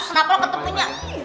kenapa lo ketemunya